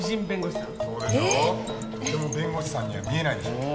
とても弁護士さんには見えないでしょう？